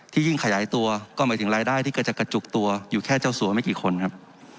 ยิ่งขยายตัวก็หมายถึงรายได้ที่ก็จะกระจุกตัวอยู่แค่เจ้าสัวไม่กี่คนครับ